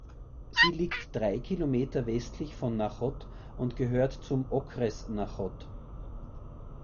Sie liegt drei Kilometer westlich von Náchod und gehört zum Okres Náchod.